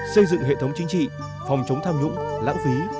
xây dựng hệ thống chính trị phòng chống tham nhũng lãng phí